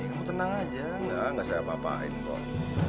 kamu tenang aja gak gak saya apa apain om